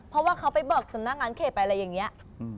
เพราะว่าเขาไปเบิกสำนักงานเขตไปอะไรอย่างนี้